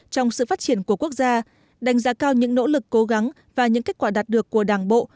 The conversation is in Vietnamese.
trong sự phát triển của quốc gia đánh giá cao những nỗ lực cố gắng và những kết quả đạt được của đảng bộ